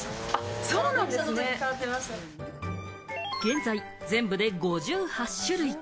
現在、全部で５８種類。